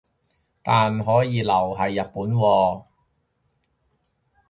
但可以留係日本喎